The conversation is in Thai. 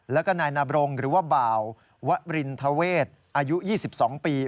แล้วก็นายนาบรงหรือว่าบ่าววรินทเวศอายุ๒๒ปี